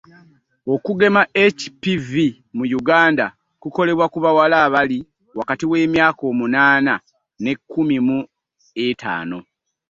Okugema HPV mu Uganda kukolebwa ku bawala abali wakati w’emyaka omunaana n'ekumi mu ettaano.